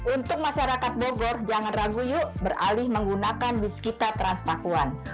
untuk masyarakat bogor jangan ragu yuk beralih menggunakan biskita transpakuan